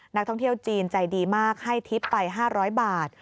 นักท่องเที่ยวจีนใจดีมากให้ทิพย์ไป๕๐๐บาท